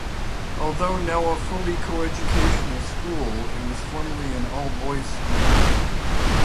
Although now a fully co-educational school, it was formerly an all-boys school.